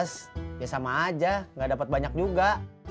sama aja gak dapet banyak juga